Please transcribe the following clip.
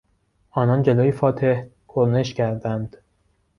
آنان جلو فاتح کرنش کردند.